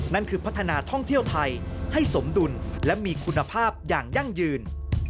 นั่นคือพัฒนาท่องเที่ยวไทยให้สมดุลและมีคุณภาพอย่างยั่งยืน